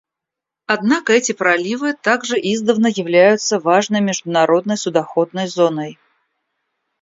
Однако эти проливы также издавна являются важной международной судоходной зоной.